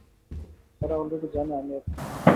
তারা অলরেডি জানে আমি এখানে।